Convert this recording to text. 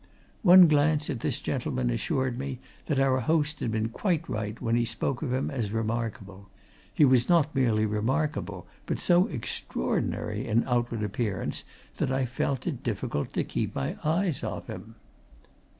One glance at this gentleman assured me that our host had been quite right when he spoke of him as remarkable he was not merely remarkable, but so extraordinary in outward appearance that I felt it difficult to keep my eyes off him.